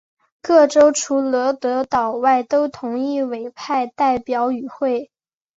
各州除罗德岛外都同意委派代表与会。